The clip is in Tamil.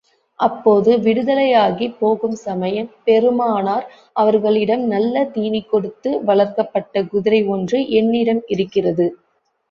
அப்போது விடுதலையாகிப் போகும் சமயம் பெருமானார் அவர்களிடம் நல்ல தீனி கொடுத்து வளர்க்கப்பட்ட குதிரை ஒன்று என்னிடம் இருக்கிறது.